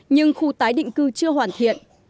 nhưng khu tái định cư chưa hoàn thiện